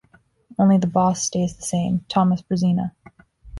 Only the 'boss' stays the same: Thomas Brezina.